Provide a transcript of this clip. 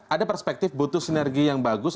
ada perspektif butuh sinergi yang bagus